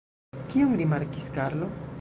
Kion rimarkis Karlo?